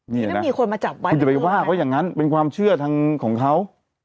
นี่น่ะคุณจะไปว่าเว้า่งงั้นเป็นความเชื่อทั้งของเขา